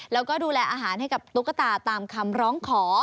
แล้วก็ดูแลอาหารให้กับตุ๊กตาตามคำร้องขอ